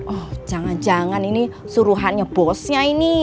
oh jangan jangan ini suruhannya bosnya ini